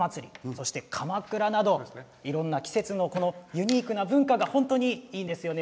そして、かまくらなどいろんな季節のこのユニークな文化が本当にいいんですよね。